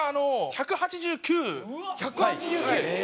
１８９？